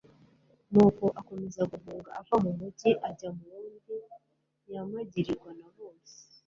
nuko akomeza guhunga ava mu mugi ajya mu wundi yamagirirwa na bose